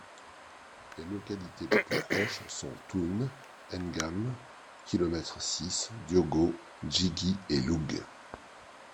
Les localités les plus proches sont Toune, Ngam, Kilometre Six, Diogo, Djigui et Lougue.